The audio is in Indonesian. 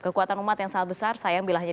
kekuatan umat yang sangat besar sayang bila